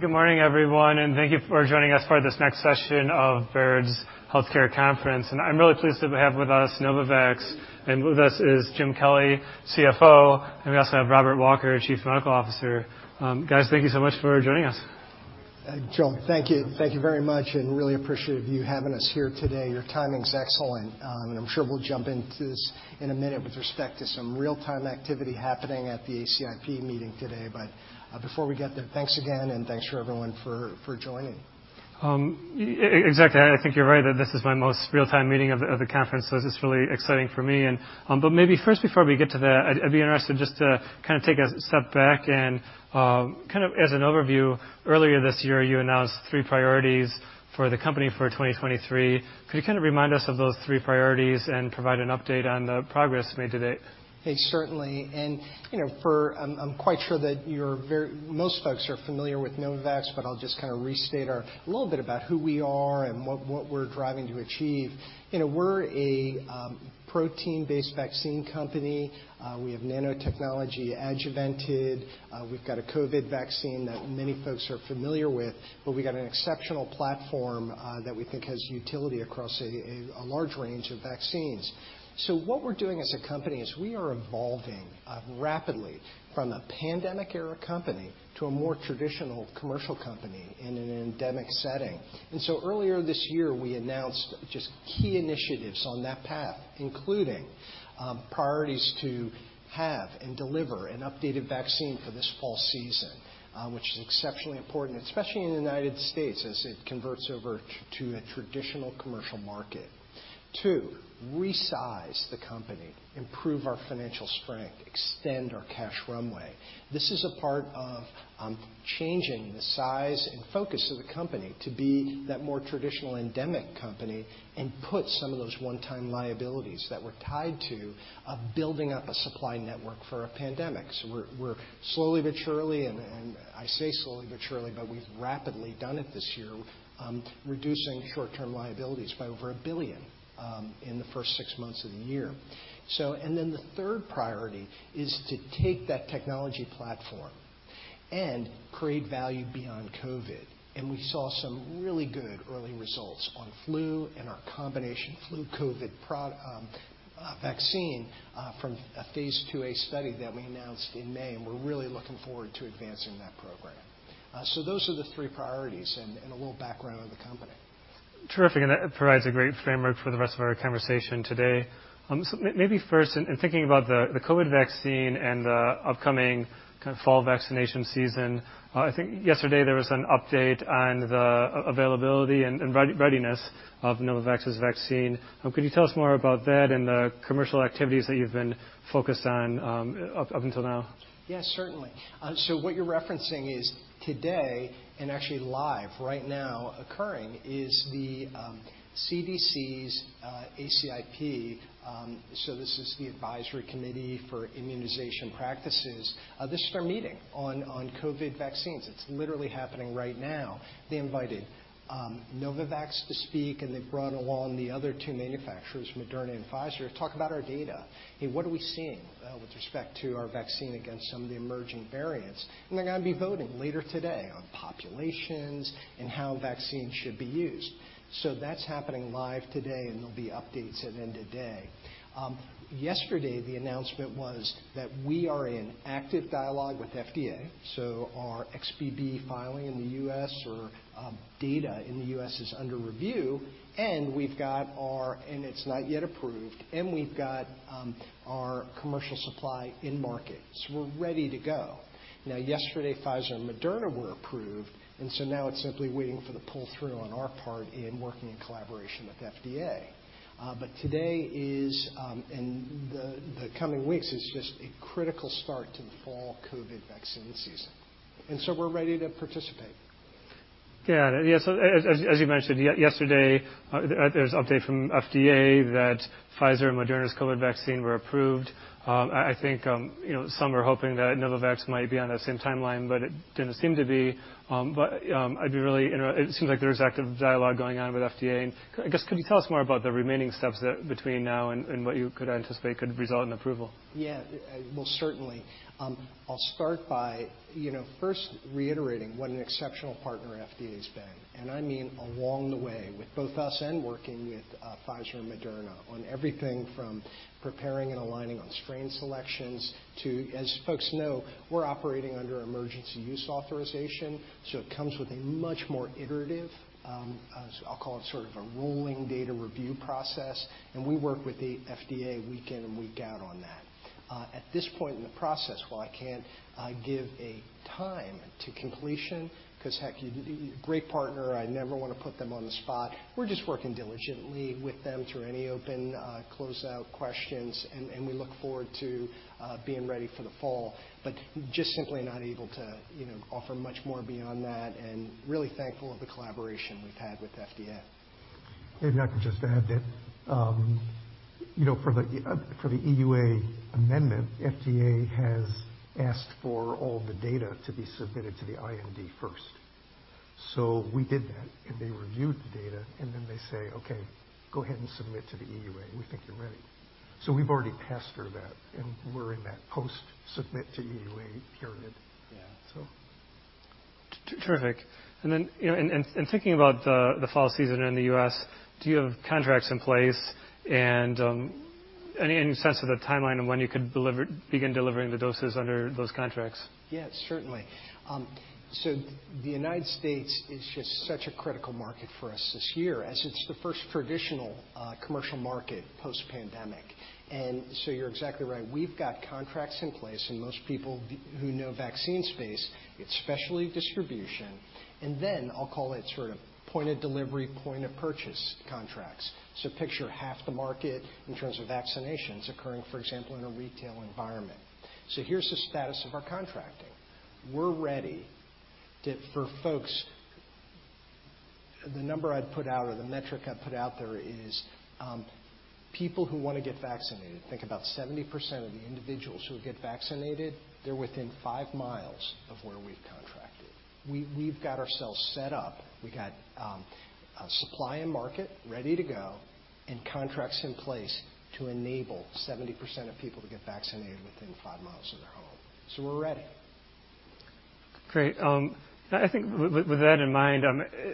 Good morning, everyone, and thank you for joining us for this next session of Baird's Healthcare Conference. I'm really pleased to have with us Novavax, and with us is Jim Kelly, CFO, and we also have Robert Walker, Chief Medical Officer. Guys, thank you so much for joining us. Joel, thank you. Thank you very much, and really appreciative of you having us here today. Your timing's excellent, and I'm sure we'll jump into this in a minute with respect to some real-time activity happening at the ACIP meeting today. But, before we get there, thanks again, and thanks for everyone for joining. Exactly. I think you're right that this is my most real-time meeting of the conference, so this is really exciting for me. But maybe first, before we get to that, I'd be interested just to kind of take a step back and kind of as an overview, earlier this year, you announced three priorities for the company for 2023. Could you kind of remind us of those three priorities and provide an update on the progress made to date? Hey, certainly, you know, I'm quite sure that you're very most folks are familiar with Novavax, but I'll just kind of restate our a little bit about who we are and what we're driving to achieve. You know, we're a protein-based vaccine company. We have nanotechnology adjuvanted. We've got a COVID vaccine that many folks are familiar with, but we've got an exceptional platform that we think has utility across a large range of vaccines. So what we're doing as a company is we are evolving rapidly from a pandemic-era company to a more traditional commercial company in an endemic setting. Earlier this year, we announced just key initiatives on that path, including priorities to have and deliver an updated vaccine for this fall season, which is exceptionally important, especially in the United States, as it converts over to a traditional commercial market. 2, resize the company, improve our financial strength, extend our cash runway. This is a part of changing the size and focus of the company to be that more traditional endemic company and put some of those one-time liabilities that we're tied to of building up a supply network for a pandemic. We're slowly but surely, and I say slowly but surely, but we've rapidly done it this year, reducing short-term liabilities by over $1 billion in the first six months of the year. So and then the third priority is to take that technology platform and create value beyond COVID. And we saw some really good early results on flu and our combination flu-COVID combo vaccine from a Phase IIa study that we announced in May, and we're really looking forward to advancing that program. So those are the three priorities and a little background on the company. Terrific, and that provides a great framework for the rest of our conversation today. So maybe first, in thinking about the COVID vaccine and the upcoming kind of fall vaccination season, I think yesterday there was an update on the availability and readiness of Novavax's vaccine. Could you tell us more about that and the commercial activities that you've been focused on up until now? Yeah, certainly. So what you're referencing is today, and actually live right now occurring, is the CDC's ACIP. So this is the Advisory Committee for Immunization Practices. This is their meeting on COVID vaccines. It's literally happening right now. They invited Novavax to speak, and they've brought along the other two manufacturers, Moderna and Pfizer, to talk about our data. Hey, what are we seeing with respect to our vaccine against some of the emerging variants? And they're gonna be voting later today on populations and how vaccines should be used. So that's happening live today, and there'll be updates at end of day. Yesterday, the announcement was that we are in active dialogue with FDA, so our XBB filing in the U.S. or data in the U.S. is under review, and it's not yet approved, and we've got our commercial supply in market. So we're ready to go. Now, yesterday, Pfizer and Moderna were approved, and so now it's simply waiting for the pull-through on our part in working in collaboration with the FDA. But today is and the coming weeks is just a critical start to the fall COVID vaccine season, and so we're ready to participate. Yeah. Yeah, so as you mentioned, yesterday, there was an update from FDA that Pfizer and Moderna's COVID vaccine were approved. I think, you know, some were hoping that Novavax might be on that same timeline, but it didn't seem to be. But I'd be really inter-- it seems like there's active dialogue going on with FDA. And I guess, could you tell us more about the remaining steps that between now and what you could anticipate could result in approval? Yeah, well, certainly. I'll start by, you know, first reiterating what an exceptional partner FDA has been, and I mean along the way, with both us and working with, Pfizer and Moderna on everything from preparing and aligning on strain selections to... As folks know, we're operating under emergency use authorization, so it comes with a much more iterative, I'll call it sort of a rolling data review process, and we work with the FDA week in and week out on that. At this point in the process, while I can't give a time to completion, 'cause, heck, great partner, I never wanna put them on the spot. We're just working diligently with them through any open closeout questions, and we look forward to being ready for the fall. But just simply not able to, you know, offer much more beyond that, and really thankful of the collaboration we've had with the FDA. Maybe I can just add that, you know, for the EUA amendment, FDA has asked for all the data to be submitted to the IND first. So we did that, and they reviewed the data, and then they say, "Okay, go ahead and submit to the EUA. We think you're ready." So we've already passed through that, and we're in that post-submit to EUA period. Yeah. So. Terrific. And then, you know, thinking about the fall season in the U.S., do you have contracts in place and any sense of the timeline on when you could begin delivering the doses under those contracts? Yeah, certainly. So the United States is just such a critical market for us this year, as it's the first traditional commercial market post-pandemic. And so you're exactly right. We've got contracts in place, and most people who know vaccine space, it's specialty distribution, and then I'll call it sort of point-of-delivery, point-of-purchase contracts. So picture half the market in terms of vaccinations occurring, for example, in a retail environment. So here's the status of our contracting. We're ready to, for folks... The number I'd put out or the metric I'd put out there is, people who want to get vaccinated, think about 70% of the individuals who get vaccinated, they're within 5 miles of where we've contracted. We've got ourselves set up. We got, a supply and market ready to go and contracts in place to enable 70% of people to get vaccinated within 5 miles of their home. So we're ready. Great. I think with that in mind,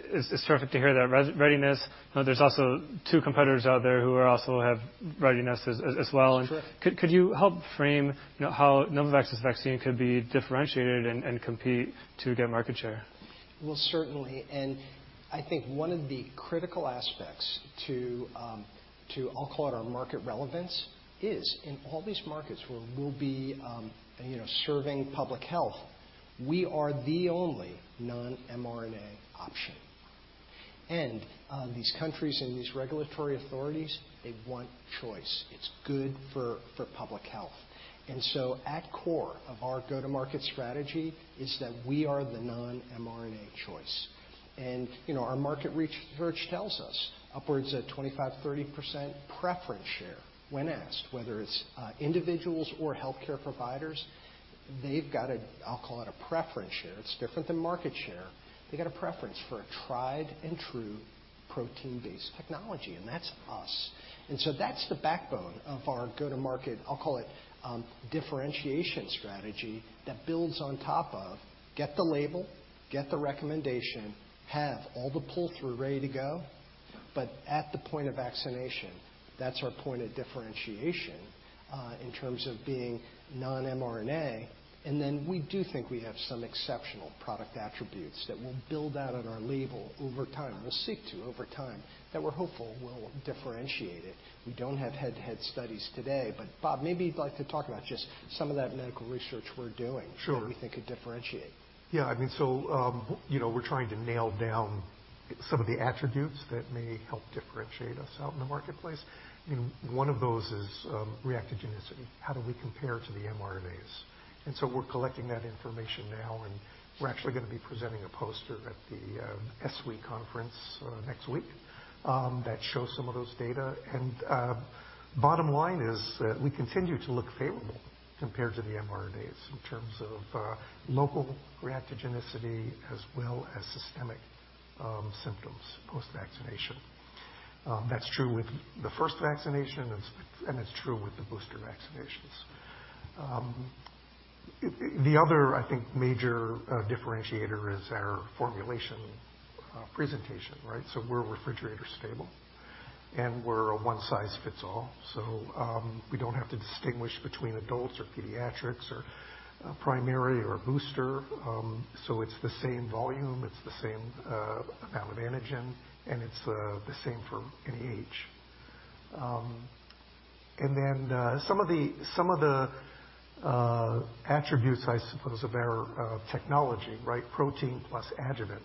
it's terrific to hear that readiness. There's also two competitors out there who are also have readiness as well. Sure. Could you help frame, you know, how Novavax's vaccine could be differentiated and compete to get market share? Well, certainly. And I think one of the critical aspects, I'll call it our market relevance, is in all these markets where we'll be, you know, serving public health, we are the only non-mRNA option. And these countries and these regulatory authorities, they want choice. It's good for public health. And so at core of our go-to-market strategy is that we are the non-mRNA choice. And, you know, our market research tells us upwards of 25%-30% preference share when asked. Whether it's individuals or healthcare providers, they've got a, I'll call it a preference share. It's different than market share. They got a preference for a tried-and-true protein-based technology, and that's us. And so that's the backbone of our go-to-market, I'll call it, differentiation strategy that builds on top of: get the label, get the recommendation, have all the pull-through ready to go, but at the point of vaccination, that's our point of differentiation, in terms of being non-mRNA. And then we do think we have some exceptional product attributes that will build out on our label over time, or seek to over time, that we're hopeful will differentiate it. We don't have head-to-head studies today, but, Bob, maybe you'd like to talk about just some of that medical research we're doing. Sure. that we think could differentiate. Yeah, I mean, so, you know, we're trying to nail down some of the attributes that may help differentiate us out in the marketplace. You know, one of those is reactogenicity. How do we compare to the mRNAs? And so we're collecting that information now, and we're actually gonna be presenting a poster at the ESWI Conference next week that shows some of those data. And bottom line is that we continue to look favorable compared to the mRNAs in terms of local reactogenicity as well as systemic symptoms post-vaccination. That's true with the first vaccination, and it's, and it's true with the booster vaccinations. The other, I think, major differentiator is our formulation presentation, right? So we're refrigerator stable, and we're a one-size-fits-all. So, we don't have to distinguish between adults or pediatrics or, primary or booster. So it's the same volume, it's the same, amount of antigen, and it's, the same for any age. And then, some of the attributes, I suppose, of our, technology, right, protein plus adjuvant,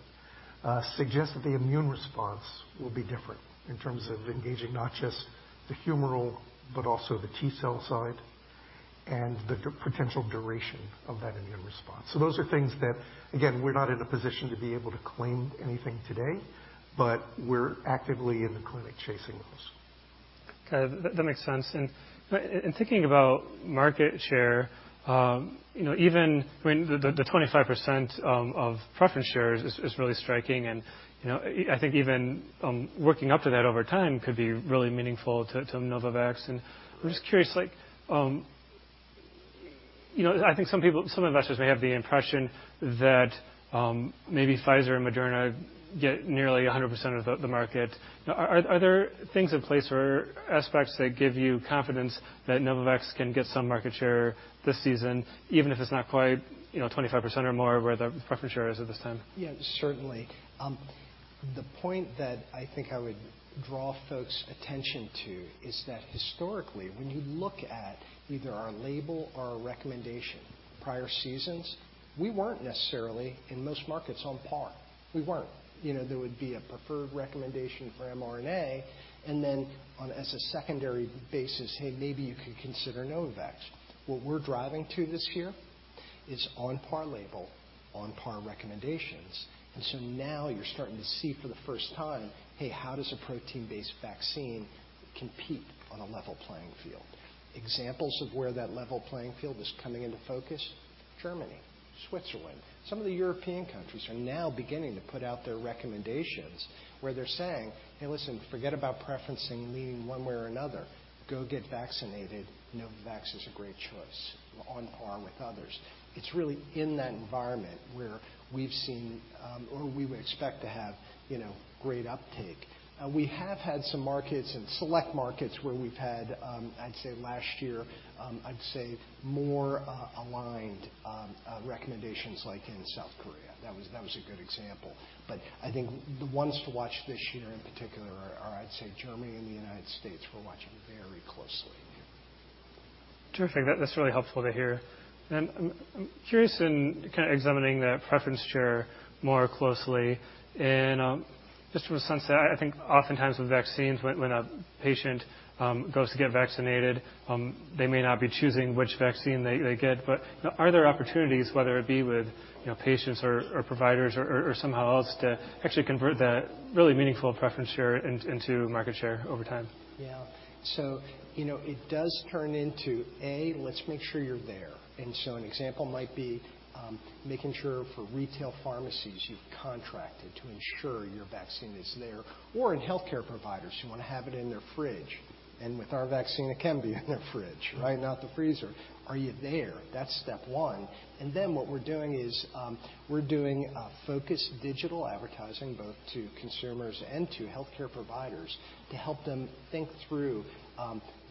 suggest that the immune response will be different in terms of engaging not just the humoral, but also the T cell side, and the potential duration of that immune response. So those are things that, again, we're not in a position to be able to claim anything today, but we're actively in the clinic chasing those. Okay, that makes sense. And thinking about market share, you know, even when the 25% of preference share is really striking. And you know, I think even working up to that over time could be really meaningful to Novavax. And I'm just curious, like, you know, I think some people—some investors may have the impression that maybe Pfizer and Moderna get nearly 100% of the market. Are there things in place or aspects that give you confidence that Novavax can get some market share this season, even if it's not quite, you know, 25% or more, where the preference share is at this time? Yeah, certainly. The point that I think I would draw folks' attention to is that historically, when you look at either our label or our recommendation, prior seasons, we weren't necessarily, in most markets, on par. We weren't. You know, there would be a preferred recommendation for mRNA, and then on as a secondary basis, "Hey, maybe you could consider Novavax." What we're driving to this year is on-par label, on-par recommendations. And so now you're starting to see for the first time, hey, how does a protein-based vaccine compete on a level playing field? Examples of where that level playing field is coming into focus: Germany, Switzerland, some of the European countries are now beginning to put out their recommendations, where they're saying: "Hey, listen, forget about preferencing leaning one way or another. Go get vaccinated. Novavax is a great choice, on par with others." It's really in that environment where we've seen or we would expect to have, you know, great uptake. We have had some markets and select markets where we've had, I'd say last year, I'd say more aligned recommendations, like in South Korea. That was, that was a good example. But I think the ones to watch this year in particular are, I'd say, Germany and the United States. We're watching very closely. Terrific. That's really helpful to hear. And I'm curious in kinda examining that preference share more closely and just from a sense that I think oftentimes with vaccines, when a patient goes to get vaccinated, they may not be choosing which vaccine they get. But are there opportunities, whether it be with, you know, patients or providers or somehow else, to actually convert that really meaningful preference share into market share over time? Yeah. So, you know, it does turn into, A, let's make sure you're there. And so an example might be, making sure for retail pharmacies, you've contracted to ensure your vaccine is there, or in healthcare providers who want to have it in their fridge. And with our vaccine, it can be in their fridge, right? Not the freezer. Are you there? That's step one. And then, what we're doing is, we're doing focused digital advertising, both to consumers and to healthcare providers, to help them think through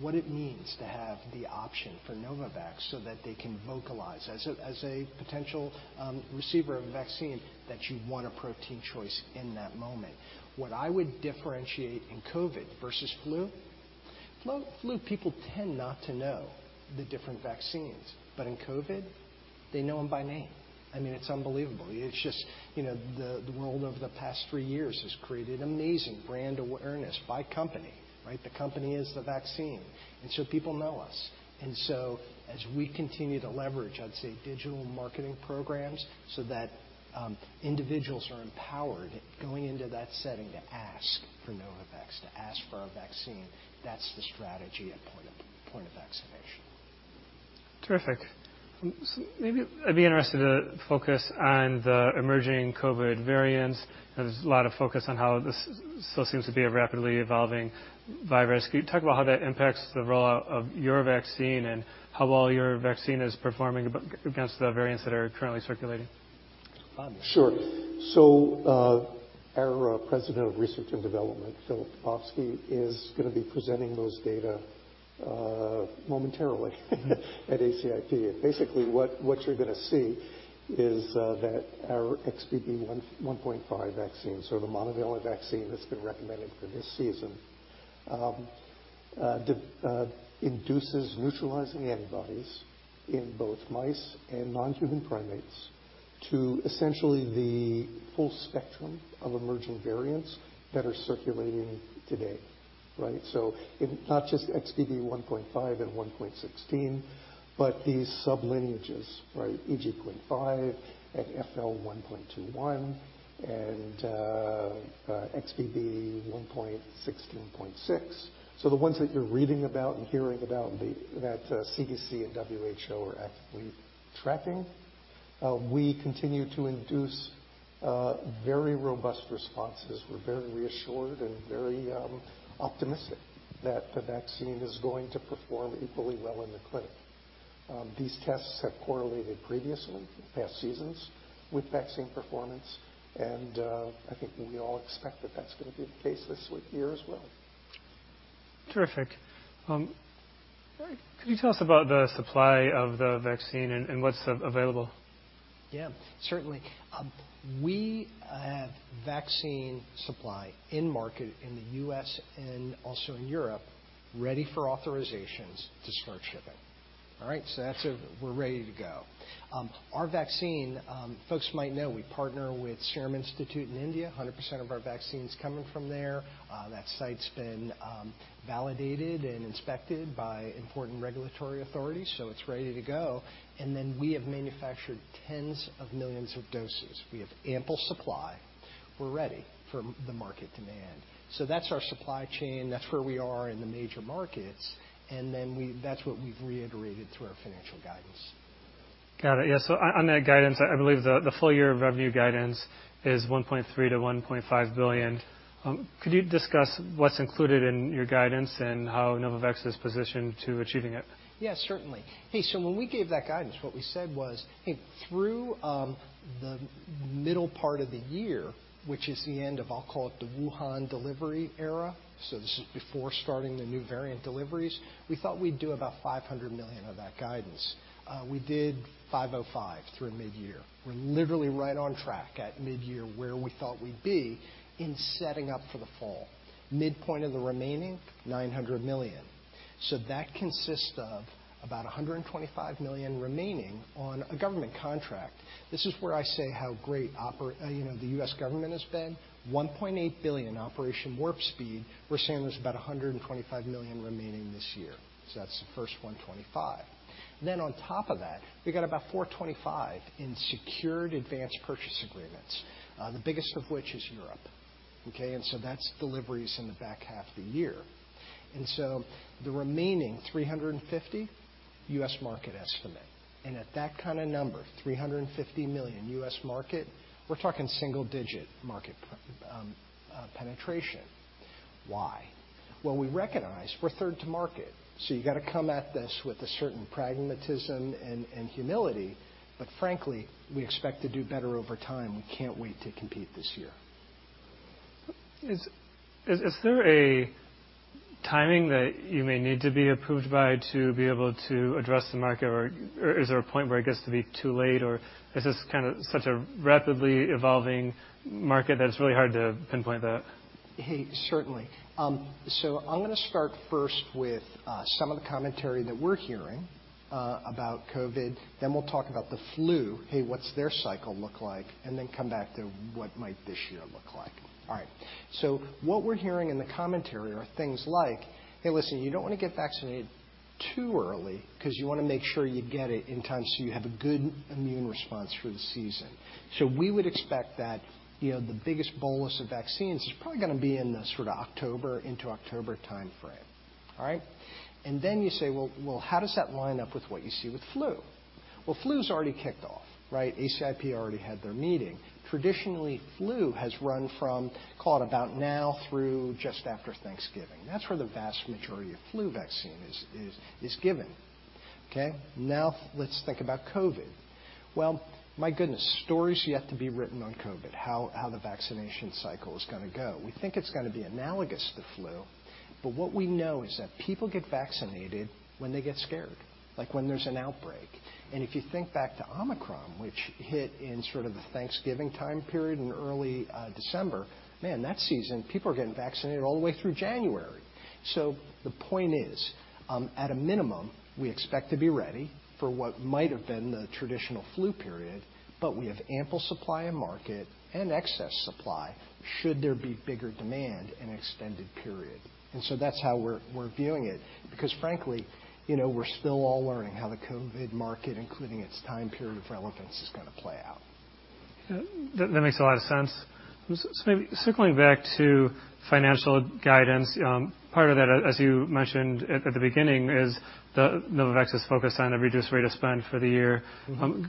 what it means to have the option for Novavax, so that they can vocalize as a, as a potential receiver of vaccine, that you want a protein choice in that moment. What I would differentiate in COVID versus flu, flu, flu, people tend not to know the different vaccines. But in COVID, they know them by name. I mean, it's unbelievable. It's just, you know, the world over the past three years has created amazing brand awareness by company, right? The company is the vaccine, and so people know us. And so, as we continue to leverage, I'd say, digital marketing programs, so that individuals are empowered going into that setting to ask for Novavax, to ask for our vaccine, that's the strategy at point of vaccination. Terrific. Maybe I'd be interested to focus on the emerging COVID variants. There's a lot of focus on how this still seems to be a rapidly evolving virus. Can you talk about how that impacts the rollout of your vaccine, and how well your vaccine is performing against the variants that are currently circulating? Sure. So, our president of research and development, Filip Dubovsky is gonna be presenting those data momentarily at ACIP. Basically, what you're gonna see is that our XBB.1.5 vaccine, so the monovalent vaccine that's been recommended for this season, induces neutralizing antibodies in both mice and non-human primates to essentially the full spectrum of emerging variants that are circulating today, right? So it's not just XBB.1.5 and 1.16, but these sub lineages, right, EG.5 and FL.1.2.1, and XBB.1.16.6. So the ones that you're reading about and hearing about, that CDC and WHO are actively tracking, we continue to induce very robust responses. We're very reassured and very optimistic that the vaccine is going to perform equally well in the clinic. These tests have correlated previously in past seasons with vaccine performance, and I think we all expect that that's going to be the case this year as well. Terrific. Could you tell us about the supply of the vaccine and what's available? Yeah, certainly. We have vaccine supply in market in the U.S. and also in Europe, ready for authorizations to start shipping. All right, so that's... We're ready to go. Our vaccine, folks might know, we partner with Serum Institute of India. 100% of our vaccines coming from there. That site's been validated and inspected by important regulatory authorities, so it's ready to go. And then, we have manufactured tens of millions of doses. We have ample supply. We're ready for the market demand. So that's our supply chain. That's where we are in the major markets, and then that's what we've reiterated through our financial guidance. Got it. Yeah, so on that guidance, I believe the full year of revenue guidance is $1.3 billion-$1.5 billion. Could you discuss what's included in your guidance and how Novavax is positioned to achieving it? Yes, certainly. Hey, so when we gave that guidance, what we said was, "Hey," through the middle part of the year, which is the end of, I'll call it, the Wuhan delivery era, so this is before starting the new variant deliveries, we thought we'd do about $500 million of that guidance. We did $505 million through midyear. We're literally right on track at midyear, where we thought we'd be in setting up for the fall. Midpoint of the remaining $900 million. So that consists of about $125 million remaining on a government contract. This is where I say how great you know the US government has been. $1.8 billion Operation Warp Speed. We're saying there's about $125 million remaining this year, so that's the first 125. Then on top of that, we've got about $425 million in secured advanced purchase agreements, the biggest of which is Europe, okay? And so that's deliveries in the back half of the year. And so the remaining $350 million US market estimate, and at that kind of number, $350 million US market, we're talking single-digit market penetration. Why? Well, we recognize we're third to market, so you got to come at this with a certain pragmatism and humility. But frankly, we expect to do better over time. We can't wait to compete this year. Is there a timing that you may need to be approved by to be able to address the market, or is there a point where it gets to be too late, or is this kind of such a rapidly evolving market that it's really hard to pinpoint that? Hey, certainly. So I'm gonna start first with some of the commentary that we're hearing about COVID, then we'll talk about the flu. Hey, what's their cycle look like? And then come back to what might this year look like. All right. So what we're hearing in the commentary are things like: Hey, listen, you don't want to get vaccinated too early 'cause you wanna make sure you get it in time so you have a good immune response for the season. So we would expect that, you know, the biggest bolus of vaccines is probably gonna be in the sort of October, into October time frame. All right? And then you say, "Well, well, how does that line up with what you see with flu?" Well, flu's already kicked off, right? ACIP already had their meeting. Traditionally, flu has run from, call it about now through just after Thanksgiving. That's where the vast majority of flu vaccine is, is, is given, okay? Now, let's think about COVID. Well, my goodness, story's yet to be written on COVID, how, how the vaccination cycle is gonna go. We think it's gonna be analogous to flu, but what we know is that people get vaccinated when they get scared, like when there's an outbreak. And if you think back to Omicron, which hit in sort of the Thanksgiving time period in early December, man, that season, people are getting vaccinated all the way through January. So the point is, at a minimum, we expect to be ready for what might have been the traditional flu period, but we have ample supply and market and excess supply should there be bigger demand and extended period. And so that's how we're, we're viewing it, because frankly, you know, we're still all learning how the COVID market, including its time period of relevance, is gonna play out. Yeah, that, that makes a lot of sense. So maybe circling back to financial guidance, part of that, as you mentioned at the beginning, is the Novavax's focus on a reduced rate of spend for the year.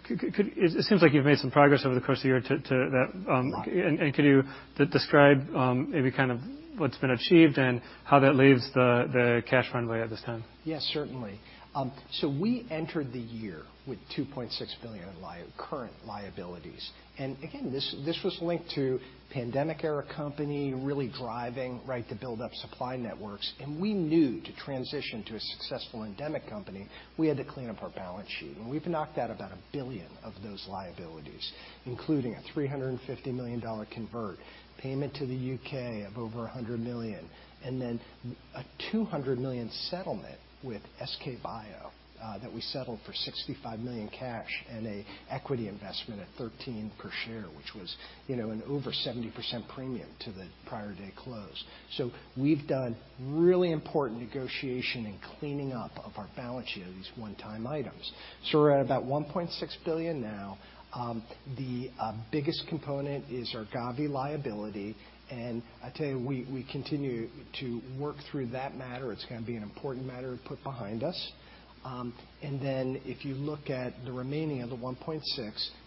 It seems like you've made some progress over the course of the year to that. Right. And could you describe maybe kind of what's been achieved and how that leaves the cash runway at this time? Yes, certainly. So we entered the year with $2.6 billion current liabilities, and again, this was linked to pandemic era company really driving, right, to build up supply networks. And we knew to transition to a successful endemic company, we had to clean up our balance sheet, and we've knocked out about $1 billion of those liabilities, including a $350 million convert payment to the UK of over $100 million, and then a $200 million settlement with SK Bio that we settled for $65 million cash and a equity investment at $13 per share, which was, you know, an over 70% premium to the prior day close. So we've done really important negotiation and cleaning up of our balance sheet of these one-time items. So we're at about $1.6 billion now. The biggest component is our Gavi liability, and I tell you, we continue to work through that matter. It's gonna be an important matter to put behind us. And then, if you look at the remaining of the $1.6,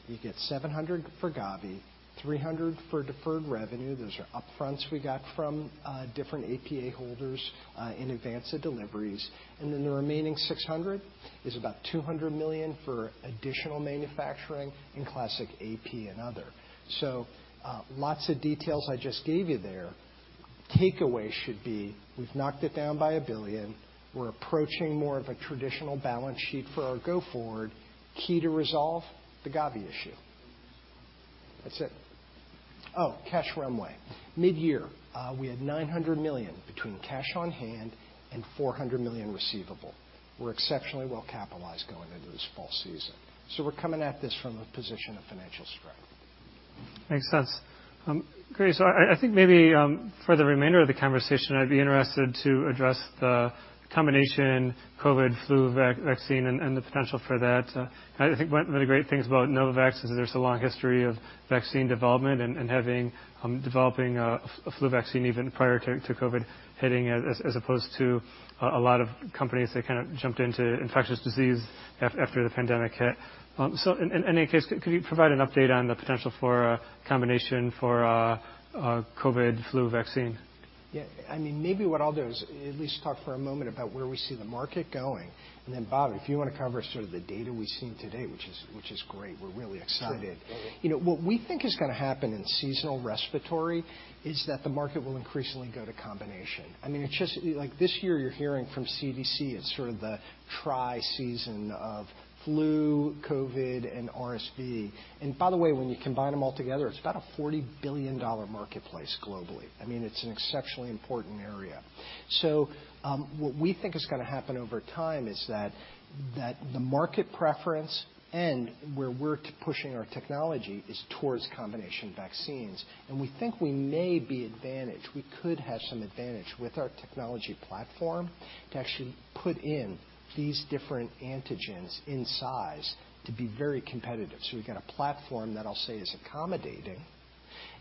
you get $700 million for Gavi, $300 million for deferred revenue. Those are upfronts we got from different APA holders in advance of deliveries. And then the remaining $600 million is about $200 million for additional manufacturing and classic AP and other. So, lots of details I just gave you there. Takeaway should be: we've knocked it down by $1 billion. We're approaching more of a traditional balance sheet for our go forward. Key to resolve the Gavi issue. That's it. Oh, cash runway. Mid-year, we had $900 million between cash on hand and $400 million receivable. We're exceptionally well capitalized going into this fall season, so we're coming at this from a position of financial strength. Makes sense. Great, so I think maybe for the remainder of the conversation, I'd be interested to address the combination COVID flu vaccine and the potential for that. I think one of the great things about Novavax is there's a long history of vaccine development and having developing a flu vaccine even prior to COVID hitting as opposed to a lot of companies that kind of jumped into infectious disease after the pandemic hit. So in any case, could you provide an update on the potential for a combination for a COVID flu vaccine? Yeah. I mean, maybe what I'll do is at least talk for a moment about where we see the market going, and then, Bob, if you want to cover sort of the data we've seen today, which is, which is great, we're really excited. Sure. You know, what we think is gonna happen in seasonal respiratory is that the market will increasingly go to combination. I mean, it's just... Like, this year, you're hearing from CDC, it's sort of the tri-season of flu, COVID, and RSV. And by the way, when you combine them all together, it's about a $40 billion marketplace globally. I mean, it's an exceptionally important area. So, what we think is gonna happen over time is that, that the market preference and where we're pushing our technology is towards combination vaccines, and we think we may be advantage. We could have some advantage with our technology platform.... to actually put in these different antigens in size to be very competitive. So we've got a platform that I'll say is accommodating,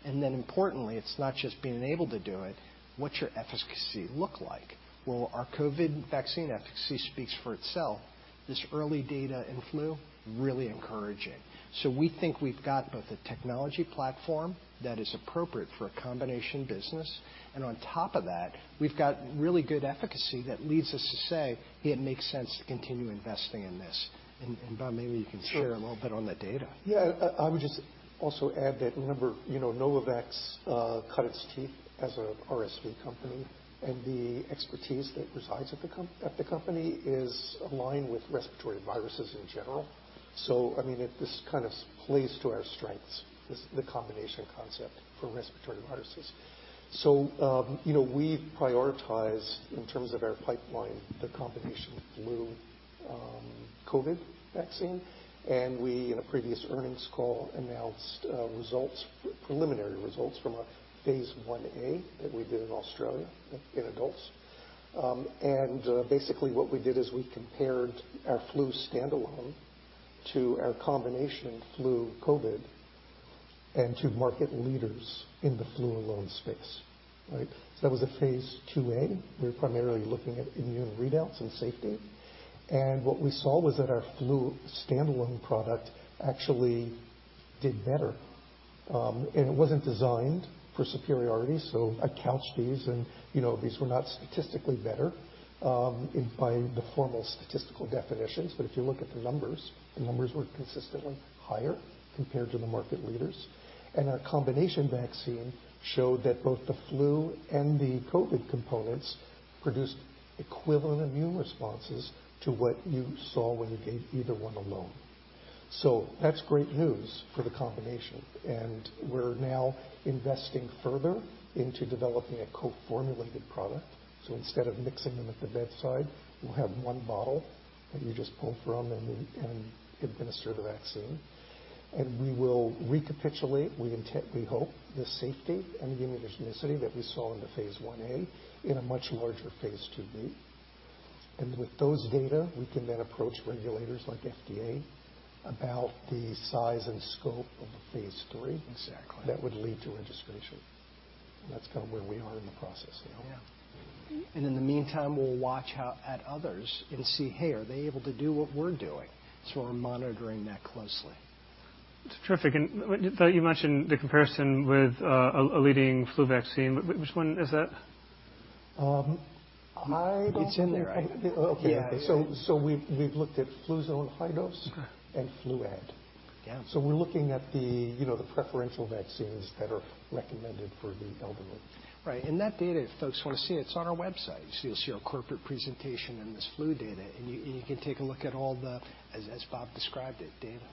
and then importantly, it's not just being able to do it, what's your efficacy look like? Well, our COVID vaccine efficacy speaks for itself. This early data in flu, really encouraging. So we think we've got both a technology platform that is appropriate for a combination business, and on top of that, we've got really good efficacy that leads us to say it makes sense to continue investing in this. And, Bob, maybe you can share a little bit on the data. Yeah. I would just also add that, remember, you know, Novavax cut its teeth as a RSV company, and the expertise that resides at the company is aligned with respiratory viruses in general. So, I mean, it this kind of plays to our strengths, this the combination concept for respiratory viruses. So, you know, we prioritize, in terms of our pipeline, the combination of flu COVID vaccine, and we, in a previous earnings call, announced results, preliminary results from our Phase Ia that we did in Australia in adults. And basically, what we did is we compared our flu standalone to our combination flu COVID and to market leaders in the flu-alone space, right? So that was a phase IIa. We were primarily looking at immune readouts and safety. What we saw was that our flu standalone product actually did better, and it wasn't designed for superiority, so I'd couch these and, you know, these were not statistically better, by the formal statistical definitions, but if you look at the numbers, the numbers were consistently higher compared to the market leaders. Our combination vaccine showed that both the flu and the COVID components produced equivalent immune responses to what you saw when you gave either one alone. That's great news for the combination, and we're now investing further into developing a co-formulated product. Instead of mixing them at the bedside, we'll have one bottle that you just pull from and administer the vaccine. We will recapitulate, we hope, the safety and immunogenicity that we saw in the Phase IIa in a much larger Phase IIb. And with those data, we can then approach regulators like FDA about the size and scope of a Phase III Exactly. that would lead to registration. That's kind of where we are in the process now. Yeah. In the meantime, we'll watch how others and see, hey, are they able to do what we're doing? So we're monitoring that closely. It's terrific. You mentioned the comparison with a leading flu vaccine. Which one is that? Um, I- It's in there. Okay. Yeah. So we've looked at Fluzone High-Dose- Uh-huh. -and Fluad. Yeah. We're looking at, you know, the preferential vaccines that are recommended for the elderly. Right. And that data, if folks want to see it, it's on our website. So you'll see our corporate presentation and this flu data, and you can take a look at all the, as Bob described it, data.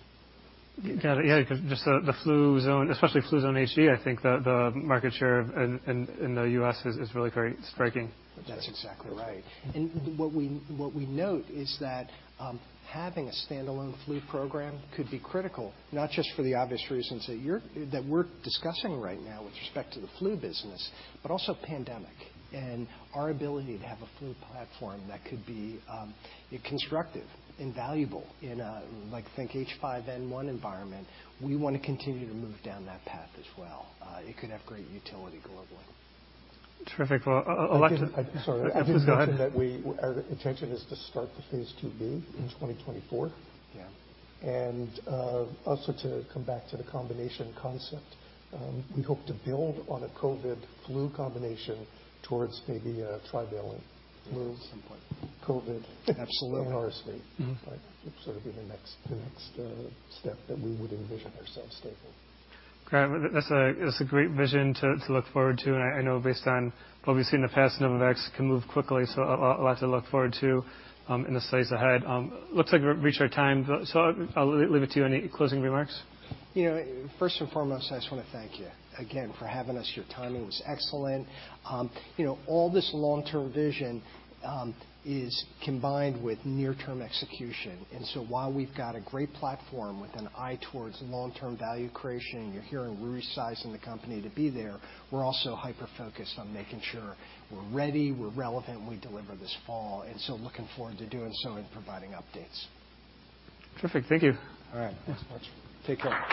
Got it. Yeah, 'cause just the Fluzone, especially Fluzone High-Dose, I think the market share in the U.S. is really very striking. That's exactly right. And what we, what we note is that, having a standalone flu program could be critical, not just for the obvious reasons that you're- that we're discussing right now with respect to the flu business, but also pandemic. And our ability to have a flu platform that could be, constructive and valuable in a, like, think H5N1 environment, we want to continue to move down that path as well. It could have great utility globally. Terrific. Well, I'd like to- Sorry. Please go ahead. I'd just mention that our intention is to start the Phase IIb in 2024. Yeah. And, also to come back to the combination concept, we hope to build on a COVID flu combination towards maybe a trivalent flu- At some point. -COVID- Absolutely. -and RSV. Mm-hmm. Like, sort of be the next step that we would envision ourselves staying for. Great. That's a great vision to look forward to, and I know based on what we've seen in the past, Novavax can move quickly, so a lot to look forward to in the slides ahead. Looks like we've reached our time, but so I'll leave it to you. Any closing remarks? You know, first and foremost, I just want to thank you again for having us. Your timing was excellent. You know, all this long-term vision is combined with near-term execution, and so while we've got a great platform with an eye towards long-term value creation, you're hearing we're resizing the company to be there, we're also hyper-focused on making sure we're ready, we're relevant, and we deliver this fall, and so looking forward to doing so and providing updates. Terrific. Thank you. All right. Thanks much. Take care.